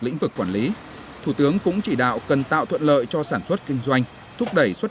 lĩnh vực quản lý thủ tướng cũng chỉ đạo cần tạo thuận lợi cho sản xuất kinh doanh thúc đẩy xuất